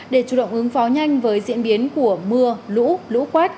để chủ động ứng phó nhanh với diễn biến của mưa lũ lũ quét